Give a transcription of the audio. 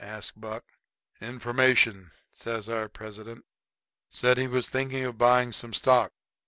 asks Buck. "Information," says our president. "Said he was thinking of buying some stock.